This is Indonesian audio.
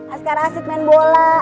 askara asik main bola